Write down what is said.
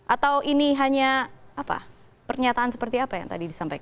atau ini hanya pernyataan seperti apa yang tadi disampaikan